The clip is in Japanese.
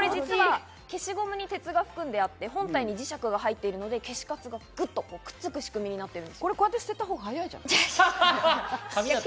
消しゴムに鉄が含んであって、本体に磁石が入っているので、消しカスがグっとくっつく仕組みになってこうやって捨てたほうが早いじゃない。